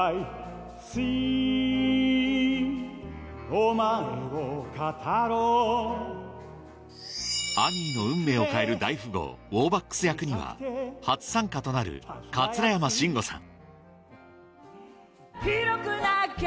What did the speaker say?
お前を語ろうアニーの運命を変える大富豪ウォーバックス役には初参加となる葛山信吾さん